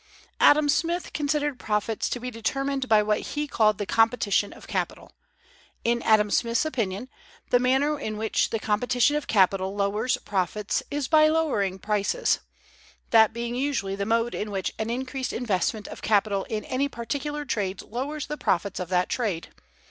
Adam Smith considered profits to be determined by what he called the competition of capital. In Adam Smith's opinion, the manner in which the competition of capital lowers profits is by lowering prices; that being usually the mode in which an increased investment of capital in any particular trade lowers the profits of that trade.